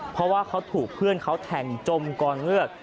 เพราะว่าเขาถูกเพื่อนเขาแทงจมกองเลือด